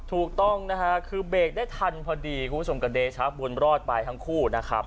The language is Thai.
ถูกต้องนะฮะคือเบรกได้ทันพอดีคุณผู้ชมกระเดชะบุญรอดไปทั้งคู่นะครับ